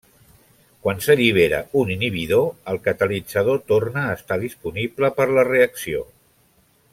Quan s'allibera un inhibidor, el catalitzador torna a estar disponible per la reacció.